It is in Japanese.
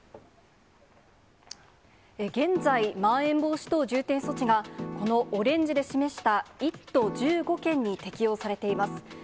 現在、まん延防止等重点措置が、このオレンジで示した１都１５県に適用されています。